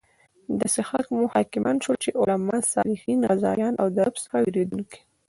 داسې خلک مو حاکمان شول چې علماء، صالحین، غازیان او د رب څخه ویریدونکي